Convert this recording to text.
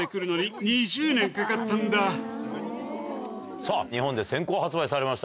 さぁ日本で先行発売されました